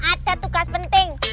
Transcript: ada tugas penting